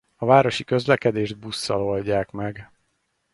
A városi közlekedést busszal oldják meg.